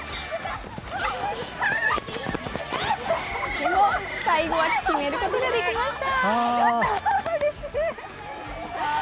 でも最後は決めることができました。